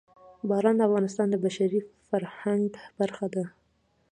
باران د افغانستان د بشري فرهنګ برخه ده.